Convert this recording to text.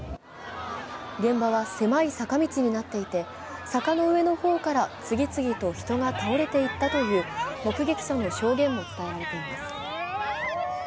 現場は狭い坂道になっていて、坂の上の方から次々と人が倒れて行ったという目撃者の証言も伝えられています。